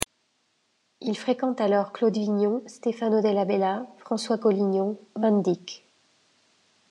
Il fréquente alors Claude Vignon, Stefano Della Bella, François Collignon, Van Dyck.